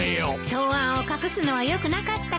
答案を隠すのはよくなかったけどね。